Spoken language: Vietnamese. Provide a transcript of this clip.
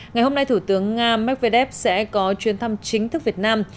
ngày hôm nay thủ tướng nga medvedev sẽ có chuyến thăm chính thức việt nam